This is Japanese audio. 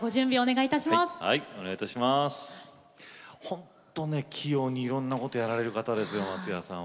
本当に器用にいろんなことをやられる方ですよ、松也さん。